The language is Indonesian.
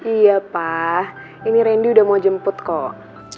iya pak ini randy udah mau jemput kok